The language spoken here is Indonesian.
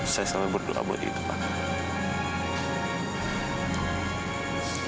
saya selalu berdoa buat itu pak